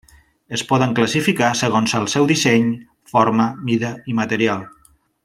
Es poden classificar segons el seu disseny, forma, mida i material.